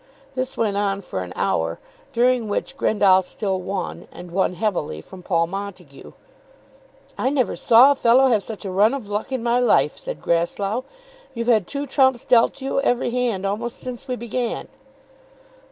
This went on for an hour, during which Grendall still won, and won heavily from Paul Montague. "I never saw a fellow have such a run of luck in my life," said Grasslough. "You've had two trumps dealt to you every hand almost since we began!"